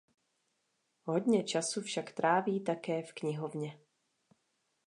Hodně času však tráví také v knihovně.